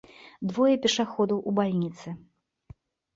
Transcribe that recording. Двое пешаходаў у бальніцы.